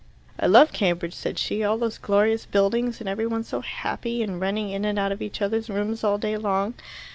"I love Cambridge," said she. "All those glorious buildings, and every one so happy and running in and out of each other's rooms all day long."